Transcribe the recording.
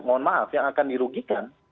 mohon maaf yang akan dirugikan